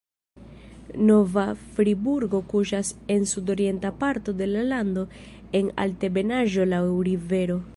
Nova Friburgo kuŝas en sudorienta parto de la lando en altebenaĵo laŭ rivero.